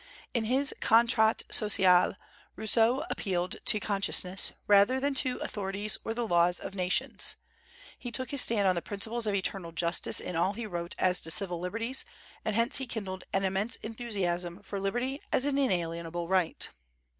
In his "Contrat Social" Rousseau appealed to consciousness, rather than to authorities or the laws of nations. He took his stand on the principles of eternal justice in all he wrote as to civil liberties, and hence he kindled an immense enthusiasm for liberty as an inalienable right.